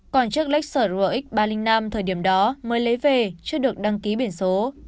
còn chiếc lax sở rx ba trăm linh năm thời điểm đó mới lấy về chưa được đăng ký biển số